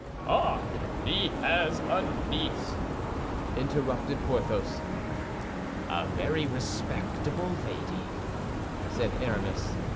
"Ah, he has a niece!" interrupted Porthos. "A very respectable lady," said Aramis.